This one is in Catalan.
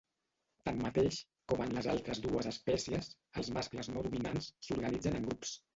Tanmateix, com en les altres dues espècies, els mascles no dominants s'organitzen en grups.